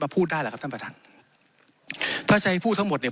พูดได้แหละครับท่านประธานถ้าใช้พูดทั้งหมดเนี่ย